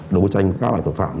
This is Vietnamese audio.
đấu tranh các loại tội phạm